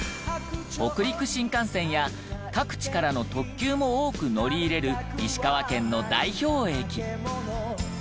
北陸新幹線や各地からの特急も多く乗り入れる石川県の代表駅。